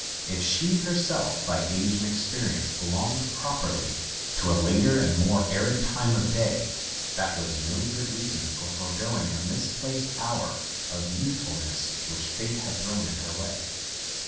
If she herself, by age and experience, belonged properly to a later and more arid time of day, that was no good reason for foregoing a misplaced hour of youthfulness which Fate had thrown in her way.